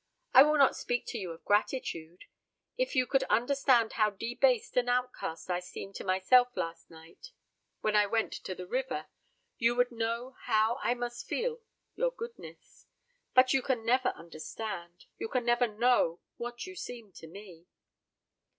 I will not speak to you of gratitude. If you could understand how debased an outcast I seemed to myself last night when I went to the river, you would know how I must feel your goodness. But you can never understand you can never know what you seem to me."